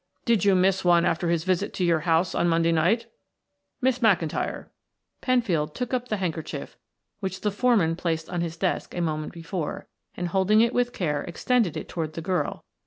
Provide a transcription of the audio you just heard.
"Did you miss one after his visit to your house on Monday night?" "No." "Miss McIntyre," Penfield took up the handkerchief which the foreman replaced on his desk a moment before, and holding it with care extended it toward the girl.